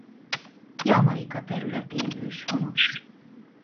Jamaica területén őshonos.